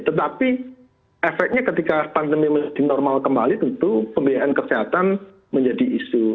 tetapi efeknya ketika pandemi menjadi normal kembali tentu pembiayaan kesehatan menjadi isu